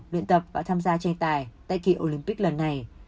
luyện tập và tham gia tranh tài tại kỳ olympic lần này